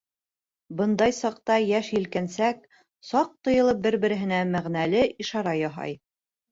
Бындай саҡта йәш-елкенсәк, саҡ тыйылып, бер-береһенә мәғәнәле ишара яһай.